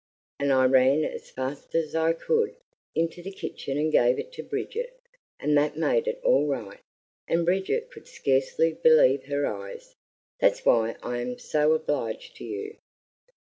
And I ran as fast as I could into the kitchen and gave it to Bridget; and that made it all right; and Bridget could scarcely believe her eyes. That's why I'm so obliged to you."